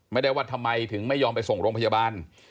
ไม่ได้ว่าทำไมถึงไม่ยอมไปส่งโรงพยาบาล